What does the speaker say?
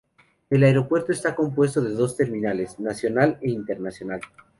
El aeropuerto está compuesto de dos terminales: Nacional e Internacional.